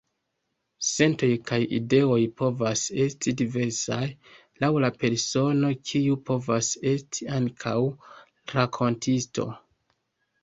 Sentoj kaj ideoj povas esti diversaj, laŭ la persono, kiu povas esti ankaŭ rakontisto.